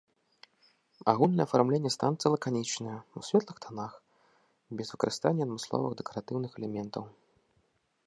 Агульнае афармленне станцыі лаканічнае, у светлых танах, без выкарыстання адмысловых дэкаратыўных элементаў.